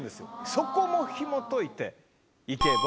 そこもひもといていけば。